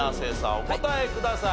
お答えください。